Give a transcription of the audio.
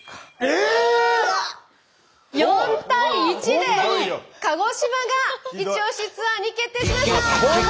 ４対１で鹿児島がイチオシツアーに決定しました。